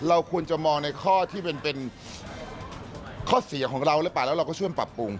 เราควรจะมองในข้อที่เป็นข้อเสียของเราหรือเปล่าแล้วเราก็ช่วยปรับปรุง